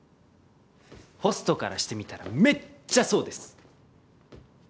ホストからしてみたらめっちゃそうです。